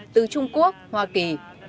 từ trung quốc hoa kỳ